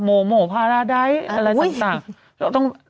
โมโมพาราไดท์อะไรสักต่าง